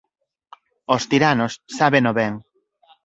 Os tiranos sábeno ben.